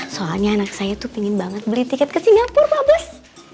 soalnya anak saya tuh pengen banget beli tiket ke singapura pak bes